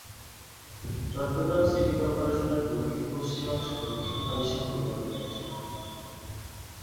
Chittagong city কর্পোরেশনের দক্ষিণ-পশ্চিমাংশে দক্ষিণ হালিশহর ওয়ার্ডের অবস্থান।